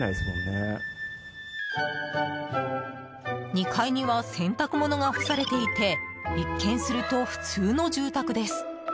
２階には洗濯物が干されていて一見すると普通の住宅です。